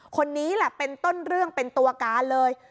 คนนี้แหละเป็นต้นเรื่องเป็นตัวการเลย